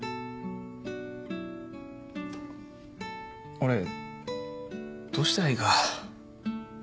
俺どうしたらいいか。